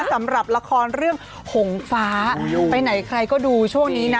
สำหรับละครเรื่องหงฟ้าไปไหนใครก็ดูช่วงนี้นะ